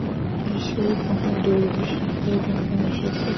নিশ্চয় কোন দূরভিসন্ধির জন্যে এসেছে।